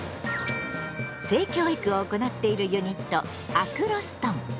性教育を行っているユニット「アクロストン」。